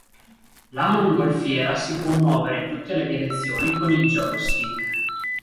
La mongolfiera si può muovere in tutte le direzioni con il joystick.